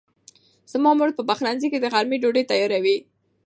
زما مور په پخلنځي کې د غرمې ډوډۍ تیاروي.